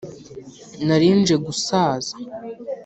nari nje gusaza